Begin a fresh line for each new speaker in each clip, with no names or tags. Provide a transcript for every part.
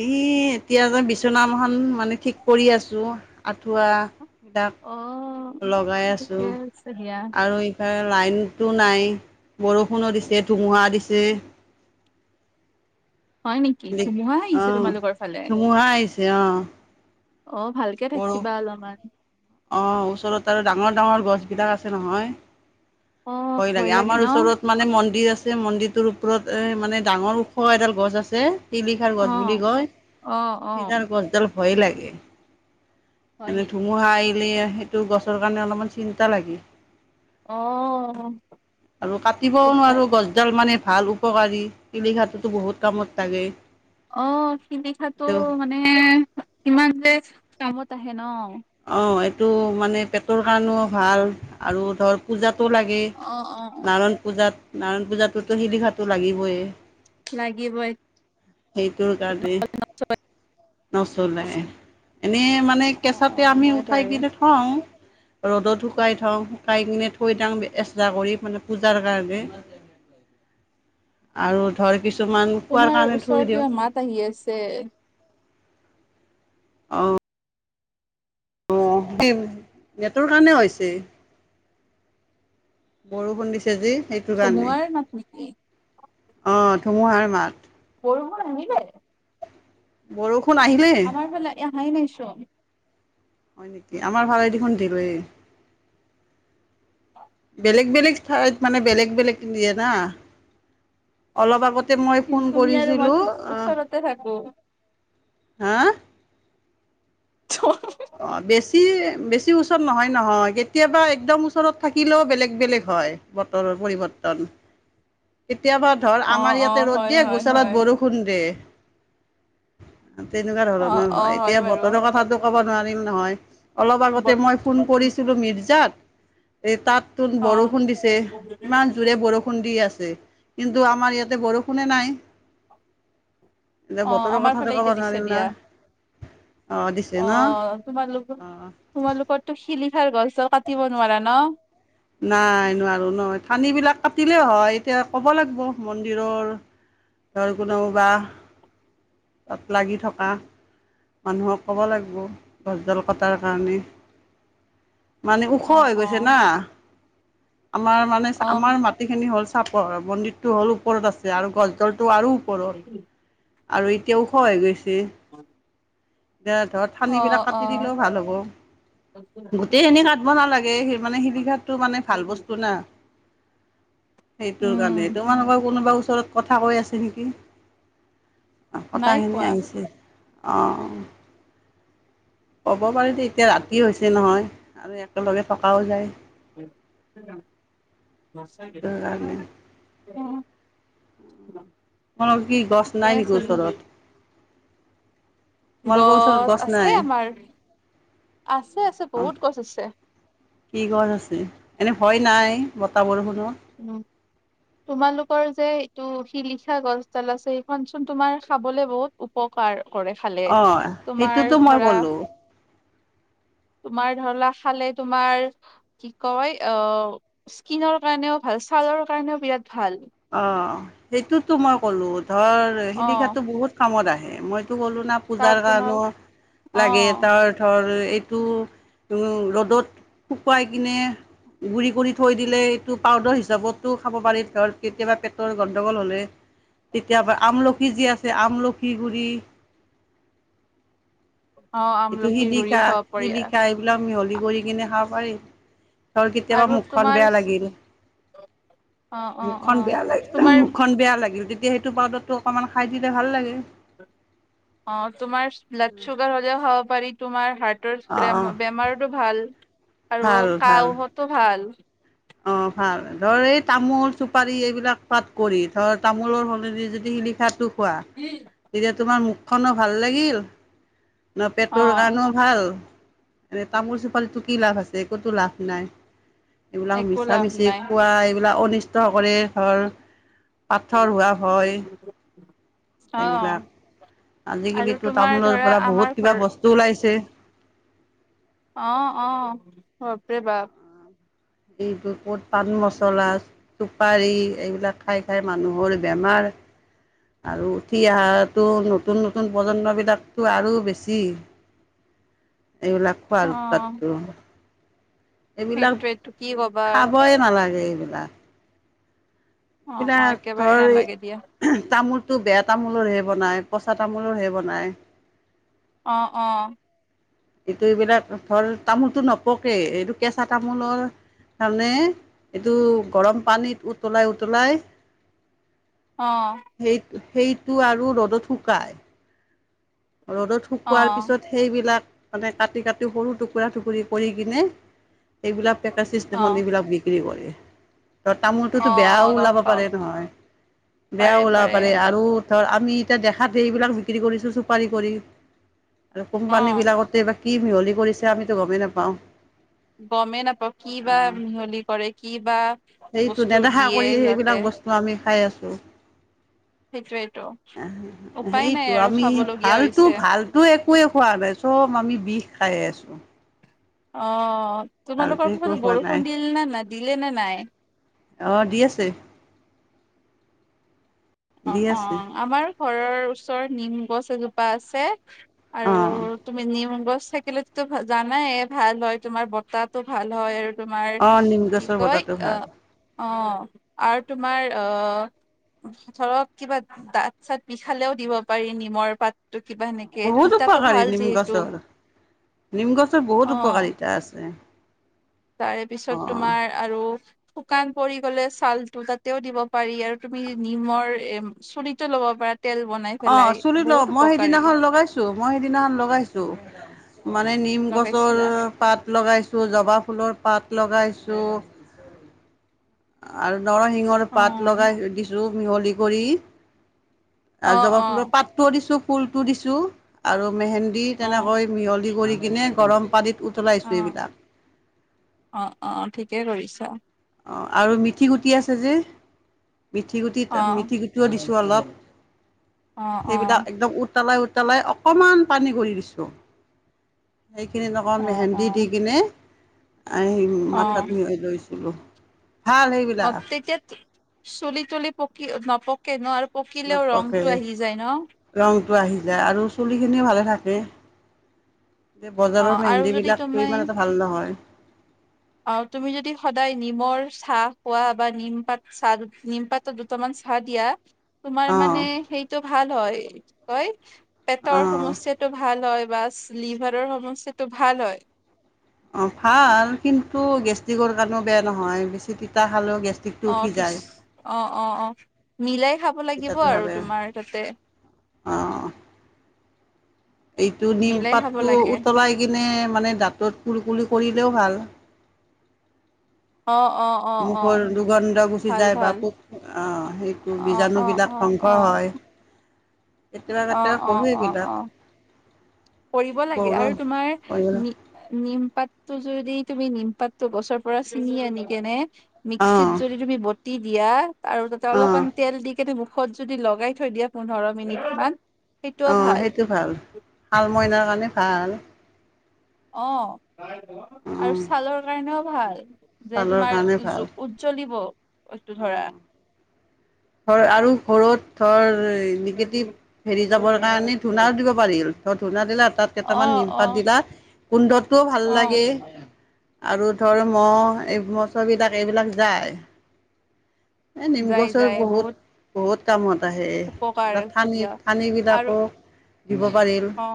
এই এতিয়া যে বিচনাখন মানে ঠিক কৰি আছো আঠুৱা
অ',
কাক লগাই আছোঁ
ঠিকে আছে দিয়া
আৰু ইফালে লাইন টো নাই বৰষুণো দিছে ধুমুহা দিছে
হয় নেকি ধুমুহা
অ,
আহিছে তোমালোকৰ ফালে?
ধুমহাই আহছে অ।
অ', ভালকে
বৰু
থাকিবা অলপমান
অ ওচৰত আৰু ডাঙৰ গাৱৰ গছবিলাক আছে নহয়।
অ',
হয়
ভয়
লাগে আমাৰ
ন
ওচৰত মানে মন্দিৰ আছে মন্দিৰটোৰপ ওপৰত মানে ডাঙৰ ওখ এডাল গছ আছে শিলিখাৰ গছ বুলি
অ',
কয়
অ', অ',
সেইডাৰ গছডাল ভয়ে লাগে
হয়
এনে
নেকি
ধুমুহা আহিলে সেইটো গছৰ কাৰণে অলপমান চিন্তা লাগে
অ',
আৰু কাটিবও
উপায়
নোৱাৰো গছডাল মানে ভাল উপকাৰী কিলিঘাটতো বহুত কামত থাকে
অ শ নিিখাো [unintelligible] মানে ইমান যে কামত আহে ন
অ এইটো মানে পেটৰ কাৰণেও ভাল আৰু ধৰ পূজাত লাগেই
অ', অ',
নাৰায়ণ পূজাত নাৰায়ণ পূজাতটোতো শিলিঘাটো লাগিবই
লাগিবই
সেইটোৰ কাৰণে নচলে এনেই মানে
অ',
কেঁচাতে
অ',
আমি
হয়
উঠাই
বাৰু
কিনে থওঁ ৰ'দত শুকাই থওঁ শুকাই কিনে থৈ থাওঁ এসা কৰি মানে পূজাৰ কাৰণে
[inaudible]
আৰু ধৰ কিছুমান খোৱাৰ
তোমাৰ
কাৰণে
ওচৰত
থুই
কিবা
দিওঁ
মাত আহি আছে
আহ অ নেটৰ কাৰণে হৈছে বৰষুণ দিছে যি সেইটো কাৰণে
চমাৰ মাটক [inaudible]
অ' ধুমুহাৰ মাত
বব নিল [unintelligible]
বৰষুণ আহিলে
নাই নাই চ [inaudible]
হয় নেকি আমাৰ ভালে দেখোন দিল [unintelligible] বেলেগ বেলেগ ঠাইত মানে বেলেগ বেলেগ দিয়ে না অলপ আগতে মই
কিন্তু
ফোন
তুমি আৰু মই
কৰিছিলোঁ
চোন ওচৰতে থাকো।
হা
চ
অ বেছি বেছি ওচৰত নহয় নহয় কেতিয়াবা একদম ওচৰত থাকিলেও বেলেগ বেলেগ হয় বতৰৰ পৰিৱৰ্তন
[inaudible]
কেতিয়াবা ধৰ
অ
আমাৰ
অ
ইয়াতে ৰ'দ
হয়
দিয়ে
হয় হয়
গোছালত বৰষুণ দিয়ে তেনেকুৱা
অ
ধৰণৰ
অ
হয় এতিয়া
বাৰু
বতৰে কথাাতটো কব নোৱাৰিম নহয় অলপ আগতে
বত
মই ফোন কৰিছিলোঁ মিৰ্জাত এই তাত তন
অ
বৰষুণ দিছে ইমান জোৰে বৰষুণ দি আছে কিন্তু আমাৰ ইয়াতে বৰষুণে নাই এতিয়া
অ
বতৰৰ
আমাৰ
কথাটো
ফালে এতিয়া
ক'বা
দিছে
নোৱাৰিম না
দিয়া
অ দিছে ন
অ তোমালোক
অ
তোমালোকৰো শিলিখাৰ গছ কাটিব নোৱাৰা ন
নাই নোৱাৰো নহয় ঠানিবিলাক কাটিলে হয় এতিয়া ক'ব লাগিব মন্দিৰৰ ধ [unintelligible] কোনও বা তাত লাগি থকা মানুহক ক'ব লাগিব গছডাল কটাৰ কাৰণে মানে ওখ
অ
হৈ
অ
গৈছে না আমাৰ মানে
অ
আমাৰ মাটিখিনি হ'ল চাপৰ মন্দিৰটো হ'ল ওপৰত আছে আৰু গছডলটো আৰু ওপৰত আৰু এতিয়াও খহায় [unintelligible] গৈছে ধৰক
অ
ঠানিবিলাক
অ
কাটি দিলেও ভাল হ'ব গোটেই খিনি কাটিব নালাগে সেই মানে শিলিঘাটটো মানে ভাল বস্তু না সেইটোৰ
উম
কাৰণে তোমাৰোকৰ [unintelligible] কোনোবা ওচৰত কথা কৈ আছে নেকি
নাই
কথাখিনি
কোৱা
আহিছে অ ক'ব পাৰি যে এতিয়া ৰাতি হৈছে নহয় আৰু একেলগে থকাও যায় সেইটো কাৰণে
[unintelligible] উম [inaudible]
কো কি গছ নাই নেকি ওচৰত [inaudible] তোমালোকৰ ওচৰত গছ
আছে
নাই।
আমাৰ আছে আছে
অ'
বহুত গছ আছে
কি গছ আছে এনেই হয় নাই বতা বৰষুণ
উম তোমালোকৰ যে এইটো শিলিখা গছডাল আছে সেইখন চোন তুমাৰ খাবলে বহুত উপকাৰ। কৰে ফালে
অঁ
তোমাৰ
সেইটোতো মই
ধৰা
ক'লোঁ।
তোমাৰ ধৰিলা খালে তোমাৰ কি কয় অ' স্কিনৰ কাৰণেও ভাল। ছালৰ কাৰণেও বিৰাট ভাল।
অ' সেইটোতো মই ক'লো ধৰ
অ
শিলিখাতো বহুত কামত আহে মই টো গলো না
তাৰ
পূজাৰ
পুনৰ
কাৰণো
অ
লাগে তাৰ ধৰ এইটো উ ৰ'দত শুকুৱাই কিনে গুৰি কৰি থৈ দিলে এইটো পাউদাৰ হিচাপতো খাব পাৰি ধৰ কেতিয়াবা পেটৰ গণ্ডগোল হ'লে। তেতিয়াবা আমলখি যি আছে আমলখি গুৰি।
অ
এইটো
আমলখিৰ গুৰিও
শিলিখা
খাব পাৰি
শিলিখা এইবিলাক মিহলি কৰি কিনে খাব পাৰি [inaudible] ধৰ কেতিয়াবা
আৰু
মুখখন
তোমাৰ
বেয়া লাগিল
অ
[inaudible]
অ অ
মুখখন বেয়া লাগিলে
তোমাৰ
মুখখন বেয়া লাগিল তেতিয়া সেইটো পাউদাৰটো অকনমান খাই দিলে ভাল লাগে
অ তোমাৰ ব্লাড চুগাৰ হ'লেও খাব পাৰি তোমাৰ হাৰ্ ডৰেম
অ',
বেমাৰতো ভাল আৰু কাহ হতো ভাল
অ' ভাল ধৰ এই তামোল চুপাৰী এইবিলাক খোৱাত কৰি ধৰ তামোলৰ সলনি যদি শিলিখাটো খোৱা, তেতিয়া তোমাৰ মুখ কনো ভাল লাগিল ন পেটৰ
অ
কাৰণো ভাল। এ তামোল চোপালিতো কি লাভ আছে একতো লাভ নাই [inaudible] এইবিলাক
একো
মিছা
লাভ
মিছি
নাই
খোৱা এইবিলাক অনিষ্ট কৰে ধৰ পাথৰোৱা হয়
অ
এইবিলাক
আৰু
আজিকালিতো
তোমাৰ
তামোলৰ
ধৰা
পৰা
আমাৰ
বহুত কিবা
ঘৰ
বস্তু ওলাইছে
অহ অ বাপ ৰে বাপ [inaudible]
এইটো ক'ত পান মছলা চুপাৰি এইবিলাক খাই খাই মানুহৰ বেমাৰ
[unintelligible]
আৰু উঠি অহাটো নতুন নতুন প্ৰজন্মবিলাকতো আৰু বেছি
[unintelligible]
এইবিলাক
অ
খোৱাৰ উৎপাতটো এইবিলাক
সেইটোৱেটো কি কবা
খাবই নালাগে এইবিলাক
অ অ
এইবিলাক
একেবাৰে
ধৰ
নালাগে দিয়া
তামোল তটো বেয়া তামোলৰহে বনাই পচা তামোলৰহে বনাই
অ অ
এইটো এইবিলাক ধৰ তামোলটো নপকে এইটো কেঁচা তামোলৰ তাৰমানে এইটো গৰম পানীত উতলাই উতলাই
অ'।
সেই সেইটো আৰু ৰ'দত শুকাই। ৰ'দত
অ
শুকোৱাৰ পিছত সেইবিলাক মানে কাটি কাটি সৰু টুকুৰা টুকুৰি কৰি কিনে এইবিলাক পেকজ
অ
চিষ্টেমত এইবিলাক বিক্ৰী কৰে। ত
অ
তামোলটোতো
অ
বেয়াও
গম
ওলাব
পাও
পাৰে নহয় বেয়াও ওলাব পাৰে আৰু ধৰ আমি এতিয়া দেখাতে এইবিলাক বিক্ৰী কৰিছো চুপাৰি কৰি আৰু
অ
কোম্পানী বিলাকতে কি মিহলি কৰিছে আমিতো গমেই নাপাওঁ।
গমেই নাপাওঁ কি বা
আহ
মিহলি কৰে কি বা
সেইটো
বস্তু
নেদেখা
দিয়ে
কৰি
সিহঁতে
সেইবিলাক বস্তু আমি খাই আছো।
সেইটোয়েতো উপায় নাই
সেইটো
আৰু
আমি
খাবলগীয়া
ভালতো
হৈছে
ভালতটো একোৱে খোৱা নাই চব আমি বিষ খাই আছো
অ তোমালোকৰ ঘৰত
খোৱা
বৰষুণ দিল নে নাই দিলে নে নাই
অ দি আছে
অ
দি
অ
আছে
আমাৰ ঘৰৰ ওচৰত নিম গছ এজোপা আছে আৰু
অঁ
তুমি নিম গছ থাকিলেো জানাই ভাল হয় তোমাৰ বতাহো ভাল হয় তোমাৰ
অঁ নিম
কি
গছৰ
কয়
বতাহটো
অ
ভাল
অ আৰু তোমাৰ অ ধৰক কিবা দাঁত চাত বিখালেও দিব পাৰি নিমৰ পাত কিবা এেনেকে
বহুত
তিতো
উপকাৰী
ভাল
নিম
যিহেতু
গছৰ নিম গছৰ
অ
বহুত উপকাৰিতা আছে
তাৰে
অ
পিছত তোমাৰ আৰু শুকান পৰি গ'লে ছালটো তাতেও দিব পাৰি আৰু তুমি নিমৰ চুলিটো লব পাৰা তেল বনাই
অ
পেলাই
চুলি ল
বহুত
মই
উপকাৰী
সেইদিনাখন লগাইছো মই সেইদিনাখন লগাইছো মানে নিম গছৰ
লগাইছিলা
পাত লগাইছো জবা ফুলৰ পাত লগাইছো আৰু নৰসিংহৰ
অ',
পাত লগাই দিছো মিহলি কৰি
অ',
জাবা ফুলৰ
অ',
পাতটোও দিছো ফুলটো দিছো আৰু মেহেন্দী
অ',
তেনেকৈ মিহলি কৰি কিনে গৰম পানীত উতলাইছো
অ',
এইবিলাক
অ', অ', ঠিকে কৰিছা
অ আৰু মিথি গুটি আছে যে মিথি গুটিত
অ',
মিথি গুটিও দিছো অলপ
অ',
সেইবিলাক
অ',
একদম উতলাই উতলাই অকণমান পানী ঘুৰি দিছোঁ সেইখিনিত অকণ
অ',
মেহেন্দি দি
অ',
কিনে আহ মাথাত
অ',
মিহৈ লৈছিলো
অ তেতিয়া চুলি তুলি পকি নপকে নো আৰু পকিলেও ৰংটো আহি যায় ন
য আৰু চুলি খিনি ভালে থাকে এই বজাৰৰ
অ', আৰু
মেহেন্দী
যদি
বিিলাক
তুমি
ইমান এটা ভাল নহয়
অ তুমি যদি সদায় নিমৰ চাহ খোৱা বা নিম পাত চাহ নিমপাতৰ দুটামান বা দিয়া তোমাৰ
অঁ
মানে সেইটো ভাল হয় কয় পেটৰ
অঁ
সমস্্যয়াটো ভাল হয় বাছ লিভাৰৰ সমস্যাটো ভাল হয়
অ ভাল কিন্তু গেষ্ট্ৰিকৰ কাৰণেও বেয়া নহয় বেছি তিতা খালেও গেছ
অ কি অ অ অ মিলাই খাব লাগিব আৰু তোমাৰ তাতে
অ এইটো নিম
মিলাই খাব
পাতটো
লাগে
উতলাই কিনে মানে দাঁতত কুল কুল কৰি তেও ভাল
অ অ অ অ
মুখৰ দুৰ্গন্ধ গুচি
ভাল
যায় বা
ভাল
পোক অহ সেইটো বীজাণু বিলাক ধ্বংস অ হয় কেতিয়াবা
অ
কেতিয়াবা
অ
কৰো
অ অ
এইবিলাক
কৰিব লাগে
বহুতো
আৰু তোমাৰ
অঁ
নি নিম পাত টো যদি তুমি নিমপাতটো গছৰ পৰা ছিঙি আনি কেনে মিক্সিত যদি তুমি বটি দিয়া আৰু তাতে
অঁ
অলপমান তেল দি কেেই মুখত যদি লগাই থৈ দিয়া পোন্ধৰ মিনিট মান
অ সেইটো ভাল শাল মইনাৰ কাৰণে ভাল
অ', আৰু
অঁ
ছালৰ কাৰণেও ভাল। যে
ছালৰ
তোমাৰ উজ্জ্বলিব। বস্তু ধৰা
অ', ঘ আৰু ঘৰত ধৰ হেৰি যাবৰ কাৰণে ধূনাও দিব পাৰিল ত ধূনা দিলে তাত
অ
কেইটামান
অ
নিমপাত জিলাত কুন্ধটোও ভাল
অ
লাগে।
[unintelligible]
আৰু ধৰ ম' এই মছৰবিলাক এইবিলাক যায়। এ নিম
যাই
গছৰ
যাই
বহুত, বহুত।
উপকাৰ
সেই
আছে
থানি
দিয়া আৰু
থানিবিলাকো দিব পাৰি
অ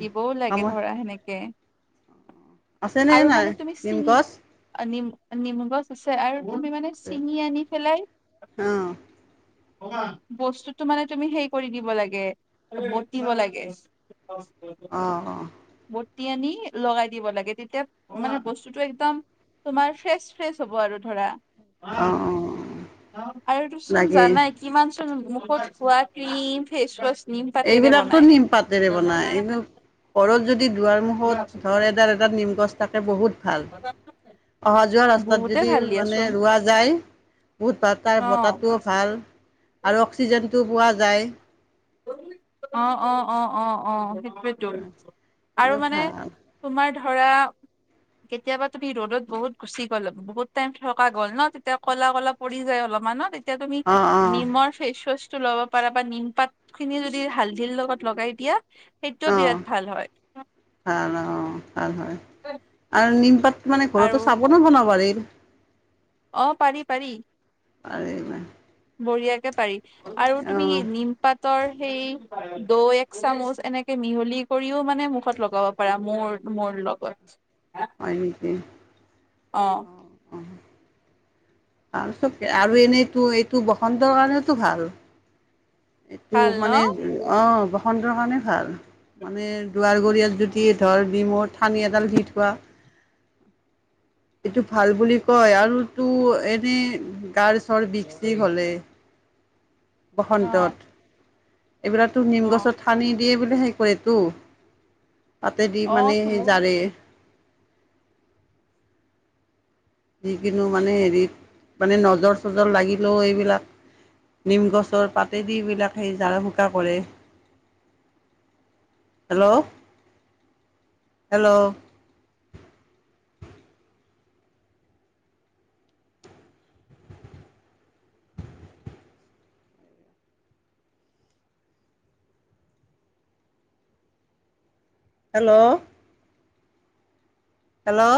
দিবও লাগে ধৰা সেনেকে
আছেনে
আৰু
নাই
মানে তুমি
নিম
চিঙি
গছ
নিম নেমু গছ আছে আৰু তুমি মানে চিঙি আনি পেলাই
অঁ অঁ
বস্তুতটো মানে তুমি সেই কৰি দিব লাগে বটিব লাগে।
আহ, অ',।
পুতি আনি লগাই দিব লাগে তেতিয়া মানে বস্তুটো একদম তোমাৰ ফ্ৰেচ, ফ্ৰেছ হ'ব আৰু ধৰা
অঁ অঁ
আৰু তচোন
লাগে
জানাই কিমান মুখত খোৱা ক্ৰীম ফেচৱাছ
এইবিলাকতো নিম পাতেৰে বনাই এই ঘৰত যদি দুৱ বহুত ধৰ এডাৰ, এডাৰ নিমগছ তাকে বহুত ভাল
[unintelligible]
অহা যোৱা ৰাস্তাত
বহুতে
যদি
ভাল
মানে
দিয়াচোন
ৰোৱা যায় বহুত ভাত
ন।
তাৰ
অ',
বতাহটোও ভাল আৰু অক্সিজেনটোও পোৱা যায়।
অ', অ', অ', অ ', অ',। আৰু
এইটো
মানে
ভাল
তোমাৰ ধৰা কেতিয়াবা তুমি ৰ'দত বহুত গুচি গ'ল বহুত টাইম থকা গ'ল ন তেতিয়া ক'লা ক'লা পৰি যায় অলপ অলমানত এতিয়া তুমি
অঁ অঁ
নিমৰ ফেচ ৱাচটো ল'ব পাৰা বা নিম পাত খিনি যদি হালধিৰ লগত লগাই দিয়া সেইটোও
অ',
বিৰাট ভাল হয়।
ভাল অ', ভাল হয় আৰু নিমপাত মানে
আৰু
ঘৰতো চাবনো বনাব পাৰ এই
অ', পাৰি পাৰি
পাৰি
বঢ়িয়াক আৰু
অ
তুমি নিম পাত ৰ সেই দ এক চামুচ এনেকে মিহলি কৰিও মানে মুখত লগাব পাৰা মোৰ মোৰ লগত
হয় নেকি অ', অ',। আৰু চব আৰু এনেইতো এইটো বসন্তৰ কাৰণেওতো ভাল। এইটো
ভাল ন
মানে অ বসন্ত কাৰণে ভাল মানে দুৱাৰ গৰিয়াত যদি ধৰ ডম ঠানি এডাল দি থোৱা
[unintelligible]
এইটো ভাল বুলি কয় আৰুতো এনেই গাৰ ধৰ বিষ হলে
[unintelligible] অ
বসন্তত এইবিলাকো নিম
অ অ
গছত ঠানি দিয়ে বোলে হেই কৰে তো তাতে দি
অ
মানে সি
তোৰ
জাৰে যিকিনো মানে হেৰিত মানে নজৰ চজৰ লাগিলেও এইবিলাক নিম গছৰ পাতেদি বিলাক সেই ঝাৰ ফুকা কৰে হেল্ল', হেল্ল', হেল্ল',